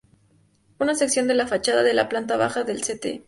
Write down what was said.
Una sección de la fachada de la planta baja del St.